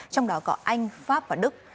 trong đó có anh pháp và đức